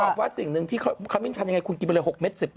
ปรากฏว่าสิ่งนึงที่คำมิญชันคุณกินไป๖๑๐เมตร